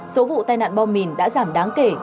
số vụ tai nạn bom mìn đã giảm đáng kể